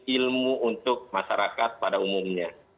ilmu untuk masyarakat pada umumnya